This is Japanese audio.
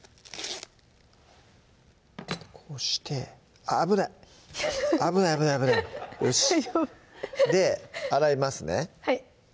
こうしてあっ危ない危ない危ないよしで洗いますね